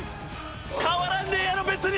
「変わらんでええやろ別に！